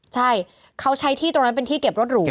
ใช่เขาใช้ที่ตรงนั้นเป็นที่เก็บรถหรู